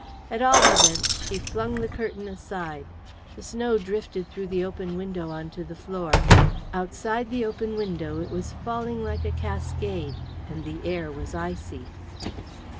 At all events she flung the curtain aside; the snow drifted through the open window onto the floor; outside the open window it was falling like a cascade, and the air was icy.